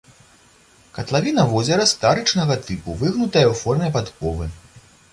Катлавіна возера старычнага тыпу, выгнутая ў форме падковы.